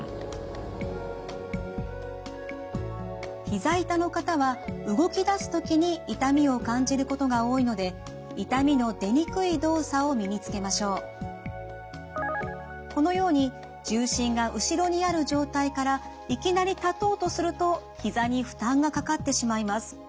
ひざ痛の方は動きだす時に痛みを感じることが多いのでこのように重心が後ろにある状態からいきなり立とうとするとひざに負担がかかってしまいます。